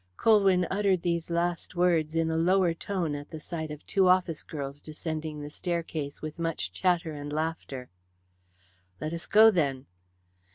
Colwyn uttered these last words in a lower tone at the sight of two office girls descending the staircase with much chatter and laughter. "Let us go then."